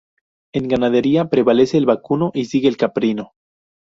En ganadería prevalece el vacuno y sigue el caprino.